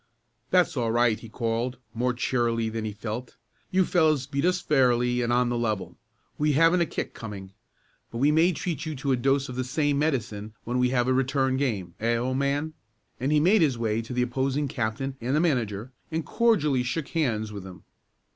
"That's all right!" he called, more cheerily than he felt. "You fellows beat us fairly and on the level. We haven't a kick coming, but we may treat you to a dose of the same medicine when we have a return game; eh, old man?" and he made his way to the opposing captain and the manager and cordially shook hands with them.